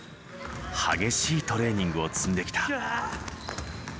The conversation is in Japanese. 激しいトレーニングを積んできた。